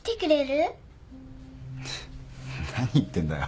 何言ってんだよ？